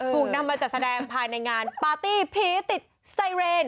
ถูกนำมาจัดแสดงภายในงานปาร์ตี้ผีติดไซเรน